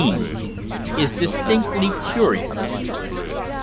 IS DISTINCTLY CURIOUS.